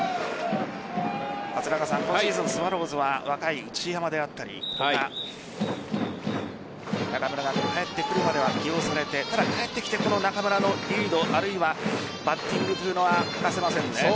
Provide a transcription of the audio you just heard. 今シーズン、スワローズは若い内山であったり中村が帰ってくるまでは起用されてただ、帰ってきて中村のリードあるいはバッティングというのは欠かせませんね。